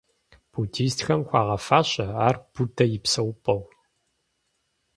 Буддистхэм хуагъэфащэ ар Буддэ и псэупӀэу.